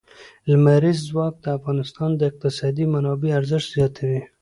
لمریز ځواک د افغانستان د اقتصادي منابعو ارزښت زیاتوي.